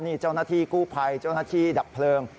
นี่เจ้าหน้าที่กู้ภัยเจ้าหน้าที่ดับเพลิง